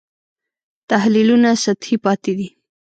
تحلیلونه سطحي پاتې دي.